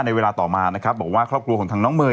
ในเวลาต่อมานะครับบอกว่าครอบครัวของทางน้องเมย์